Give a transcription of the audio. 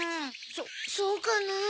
そそうかなあ。